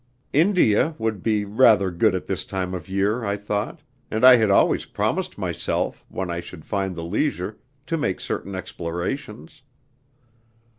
India would be rather good at this time of year, I thought, and I had always promised myself, when I should find the leisure, to make certain explorations.